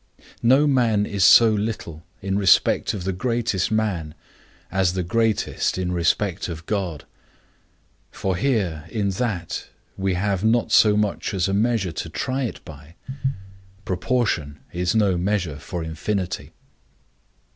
No man is so little, in respect of the greatest man, as the greatest in respect of God; for here, in that, we have not so much as a measure to try it by; proportion is no measure for infinity.